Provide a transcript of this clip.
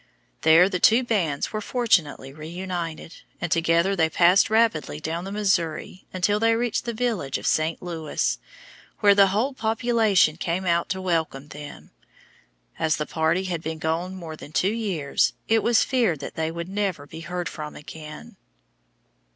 There the two bands were fortunately reunited, and together they passed rapidly down the Missouri until they reached the "village" of St. Louis, where the whole population came out to welcome them. As the party had been gone more than two years, it was feared that they would never be heard from again.